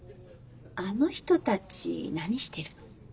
あの人たち何してるの？